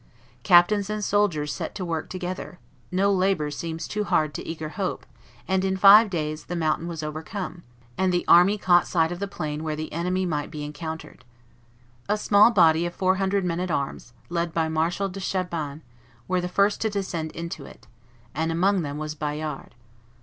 Captains and soldiers set to work together; no labor seems too hard to eager hope; and in five days the mountain was overcome, and the army caught sight of the plain where the enemy might be encountered. A small body of four hundred men at arms, led by Marshal de Chabannes, were the first to descend into it; and among them was Bayard.